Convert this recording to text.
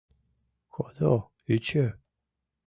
Кодо ӱчӧ.